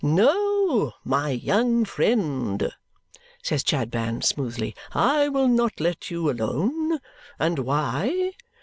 "No, my young friend," says Chadband smoothly, "I will not let you alone. And why?